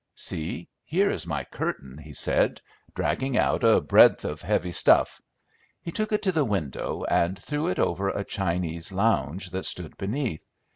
"See, here is my curtain!" he said, dragging out a breadth of heavy stuff. He took it to the window, and threw it over a Chinese lounge that stood beneath.